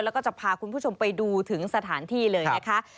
แล้วก็จะพาคุณผู้ชมไปดูถึงสถานที่เลยนะคะ